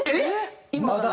いまだに。